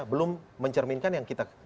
belum mencerminkan yang kita